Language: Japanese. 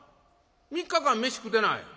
「３日間飯食うてない？